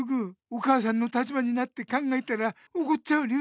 お母さんの立場になって考えたらおこっちゃう理